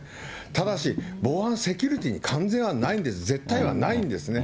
ただし、防犯セキュリティーに完全はないんです、絶対はないんですね。